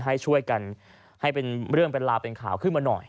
ให้ช่วยกันให้เป็นเรื่องเป็นราวเป็นข่าวขึ้นมาหน่อย